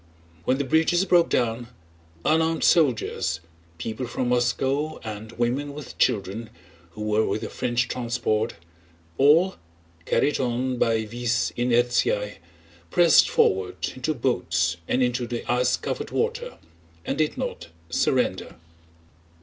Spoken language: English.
When the bridges broke down, unarmed soldiers, people from Moscow and women with children who were with the French transport, all—carried on by vis inertiæ—pressed forward into boats and into the ice covered water and did not surrender.